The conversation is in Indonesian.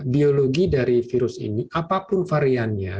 biologi dari virus ini apapun variannya